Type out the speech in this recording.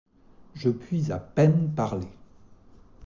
Je puis à peine parler.